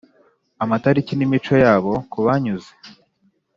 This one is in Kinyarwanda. amatariki n'imico yabo kubanyuze,